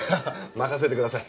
任せてください。